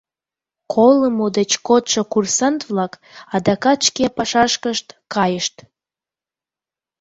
Колымо деч кодшо курсант-влак адакат шке пашашкышт кайышт.